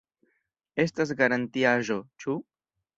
Estas garantiaĵo, ĉu?